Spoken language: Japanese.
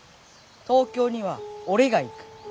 東京には俺が行く。